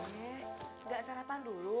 nggak sarapan dulu